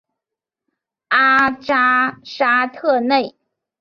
阿扎沙特内。